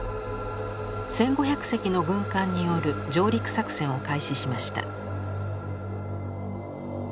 １，５００隻の軍艦による上陸作戦を開始しました。